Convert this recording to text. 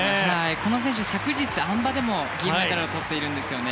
この選手は昨日、あん馬でも銀メダルをとっているんですよね。